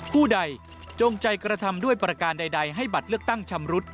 ผู้ใดจงใจกระทำด้วยประการใดให้บัตรเลือกตั้งชำรุด